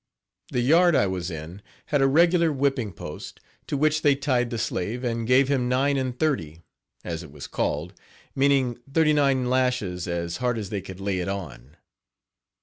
The yard I was in had a regular whipping post to which they tied the slave, and gave him "nine and thirty," as it was called, meaning thirty nine lashes as hard as they could lay it on.